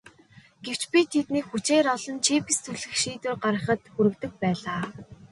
Гэвч би тэднийг хүчээр олон чипс түлхэх шийдвэр гаргахад хүргэдэг байлаа.